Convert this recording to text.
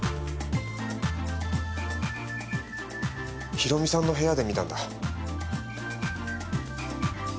博美さんの部屋で見たんだ。